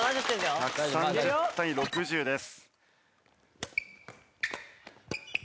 １６０対６０です。